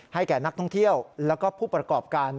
แก่นักท่องเที่ยวแล้วก็ผู้ประกอบการ